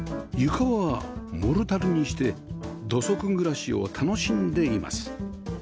床はモルタルにして土足暮らしを楽しんでいます